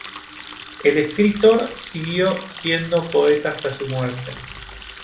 El escritor siguió siendo poeta hasta su muerte.